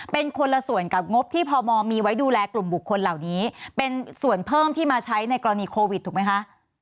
เป็นคนละส่วนกับงบที่พมมีไว้ดูแลกลุ่มบุคคลเหล่านี้เป็นส่วนเพิ่มที่มาใช้ในกรณีโควิดถูกไหมคะ